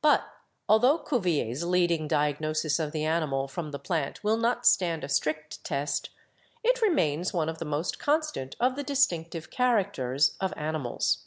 "But altho Cuvier's leading diagnosis of the animal from the plant will not stand a strict test, it remains one of the most constant of the distinctive characters of animals.